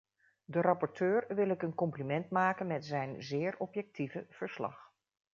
De rapporteur wil ik een compliment maken met zijn zeer objectieve verslag.